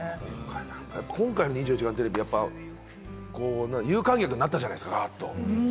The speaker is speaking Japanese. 今回の『２４時間テレビ』、有観客になったじゃないですか。